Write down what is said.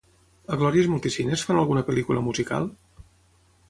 A Glòries Multicines fan alguna pel·lícula musical?